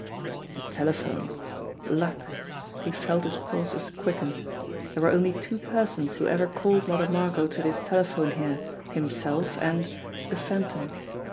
The telephone ! Luck ! He felt his pulses quicken. There were only two persons who ever called Mother Margot to this telephone here, himself and the Phantom.